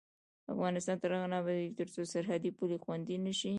افغانستان تر هغو نه ابادیږي، ترڅو سرحدي پولې خوندي نشي.